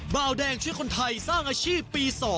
บาวแดงช่วยคนไทยสร้างอาชีพปี๒